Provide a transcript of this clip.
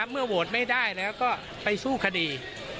เมื่อโหวตไม่ได้แล้วก็ไปสู้คดี